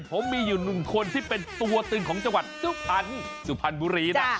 ผมมีอยู่หนึ่งคนที่เป็นตัวตึงของจังหวัดสุพรรณสุพรรณบุรีนะ